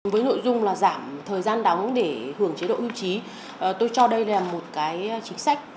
với nội dung là giảm thời gian đóng để hưởng chế độ ưu trí tôi cho đây là một cái chính sách